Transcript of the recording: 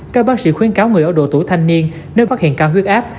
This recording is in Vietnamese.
các bác sĩ khuyến cáo người ở độ tuổi thanh niên nếu phát hiện cao huyết áp